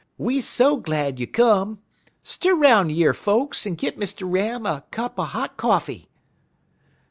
We so glad you come. Stir 'roun' yer, folks, en git Mr. Ram a cup er hot coffee.'